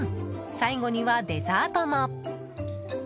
最後には、デザートも。